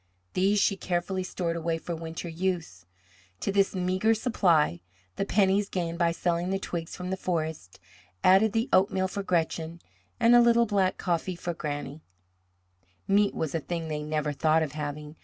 These she carefully stored away for winter use. To this meagre supply, the pennies, gained by selling the twigs from the forest, added the oatmeal for Gretchen and a little black coffee for Granny. Meat was a thing they never thought of having.